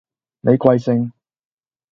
你貴姓？